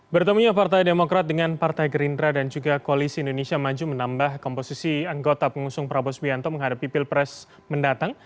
bertemunya partai demokrat dengan partai gerindra dan juga koalisi indonesia maju menambah komposisi anggota pengusung prabowo sbianto menghadapi pilpres mendatang